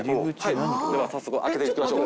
では早速開けていきましょう。